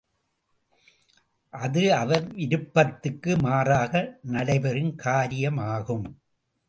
அது அவர் விருப்பத்துக்கு மாறாக நடைபெறும் காரிய மாகும்.